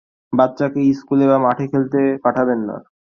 বাচ্চাকে স্কুলে বা মাঠে খেলতে পাঠাবেন না।